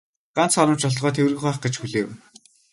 Ганц хором ч болтугай тэврэх байх гэж хүлээв.